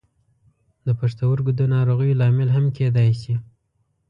د پښتورګو د ناروغیو لامل هم کیدای شي.